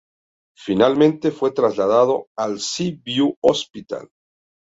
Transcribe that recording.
Finalmente fue trasladado al Sea View Hospital.